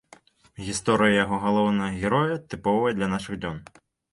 Гісторыя яго галоўнага героя тыповая для нашых дзён.